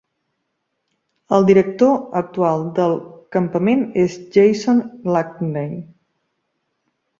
El director actual del campament és Jason Langley.